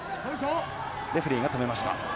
レフェリーが止めました。